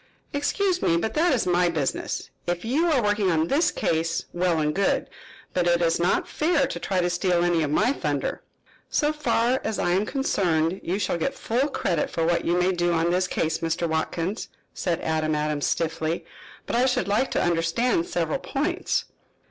"Excuse me, but that is my business. If you are working on this case, well and good. But it is not fair to try to steal any of my thunder." "So far as I am concerned you shall get full credit for what you may do on this case, Mr. Watkins," said Adam Adams stiffly. "But I should like to understand several points."